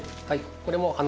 はい。